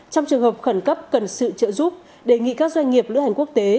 trong trường hợp khẩn cấp cần sự trợ giúp đề nghị các doanh nghiệp lữ hành quốc tế